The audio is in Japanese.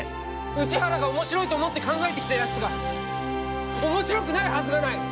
内原が面白いと思って考えてきたやつが面白くないはずがない！